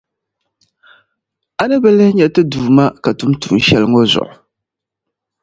a ni bi lihi nya Ti Duuma ka tum tuun’ shɛli ŋɔ zuɣu.